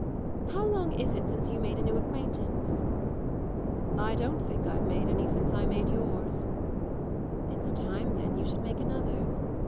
How long is it since you made a new acquaintance?" "I don't think I've made any since I made yours." "It's time then you should make another.